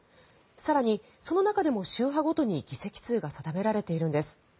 更にその中でも、宗派ごとに議席数が定められているんです。